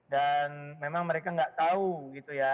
dan memang mereka enggak tahu gitu ya